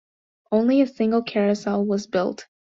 Only a single carousel was built.